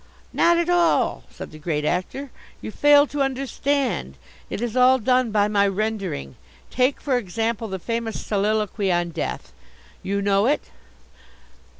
"Not at all," said the Great Actor. "You fail to understand. It is all done by my rendering. Take, for example, the famous soliloquy on death. You know it?"